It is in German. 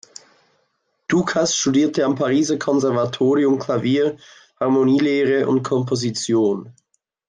Dukas studierte am Pariser Konservatorium Klavier, Harmonielehre und Komposition.